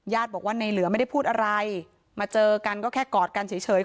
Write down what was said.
บอกว่าในเหลือไม่ได้พูดอะไรมาเจอกันก็แค่กอดกันเฉย